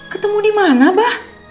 ketemu dimana bah